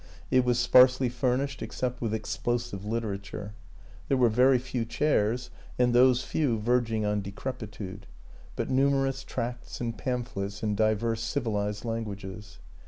It was sparsely fur nished, except with explosive literature; there were very few chairs, and those few verging on decrepitude, but numerous tracts and pamphlets in divers civilized languages.